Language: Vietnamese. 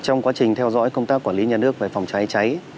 trong quá trình theo dõi công tác quản lý nhà nước về phòng cháy cháy